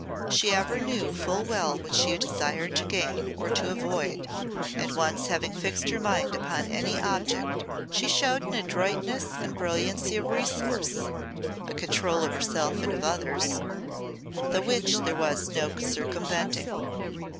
She ever knew full well what she desired to gain or to avoid, and once having fixed her mind upon any object, she showed an adroitness and brilliancy of resource, a control of herself and others, the which there was no circumventing.